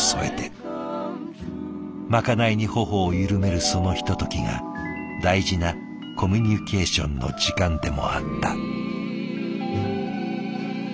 まかないに頬を緩めるそのひとときが大事なコミュニケーションの時間でもあった。